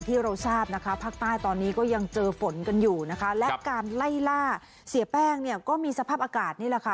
ที่เราทราบนะคะภาคใต้ตอนนี้ก็ยังเจอฝนกันอยู่นะคะและการไล่ล่าเสียแป้งเนี่ยก็มีสภาพอากาศนี่แหละค่ะ